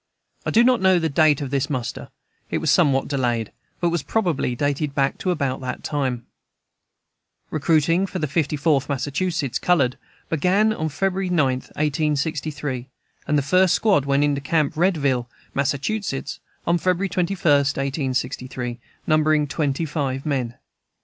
I do not know the date of his muster; it was somewhat delayed, but was probably dated back to about that time. Recruiting for the Fifty Fourth Massachusetts (colored) began on February 9, 1863, and the first squad went into camp at Readville, Massachusetts, on February 21, 1863, numbering twenty five men.